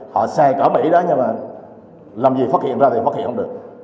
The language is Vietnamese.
họ xe cỏ mỹ đó nhưng mà làm gì phát hiện ra thì phát hiện không được